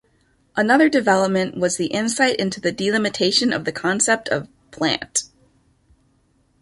Another development was the insight into the delimitation of the concept of 'plant'.